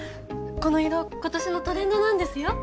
この色今年のトレンドなんですよ